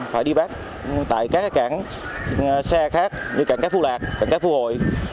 phải đi bán tại các cảnh xe khác như cảnh cát phu lạc cảnh cát phu hội